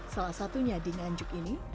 salah satunya di nganjuk ini